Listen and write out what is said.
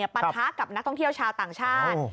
ปะทะกับนักท่องเที่ยวชาวต่างชาติ